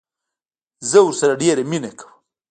زه ورسره ډيره مينه کوم